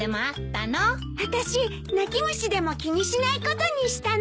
あたし泣き虫でも気にしないことにしたの。